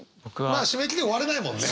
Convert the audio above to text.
まあ締め切り追われないもんね！